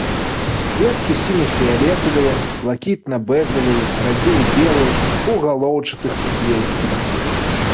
Кветкі сіне-фіялетавыя, блакітна-бэзавыя, радзей белыя, у галоўчатых суквеццях.